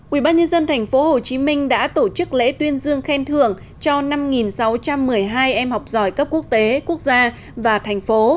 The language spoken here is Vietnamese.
ubnd tp hcm đã tổ chức lễ tuyên dương khen thưởng cho năm sáu trăm một mươi hai em học giỏi cấp quốc tế quốc gia và thành phố